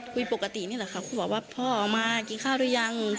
คุยปกตินี่แหละค่ะครูบอกว่าพ่อออกมากินข้าวหรือยัง